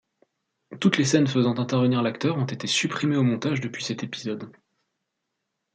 Toutes les scènes faisant intervenir l'acteur ont été supprimées au montage depuis cet épisode.